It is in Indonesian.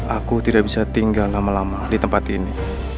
aku tidak bisa tinggal lama lama di tempat ini